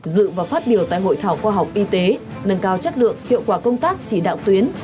dự và phát biểu tại hội thảo khoa học y tế nâng cao chất lượng hiệu quả công tác chỉ đạo tuyến